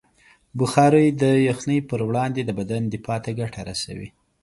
بخاري د یخنۍ پر وړاندې د بدن دفاع ته ګټه رسوي.